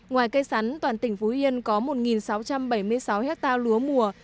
ngoài cây sắn toàn tỉnh phú yên có một sáu trăm bảy mươi sáu hectare lúa mùa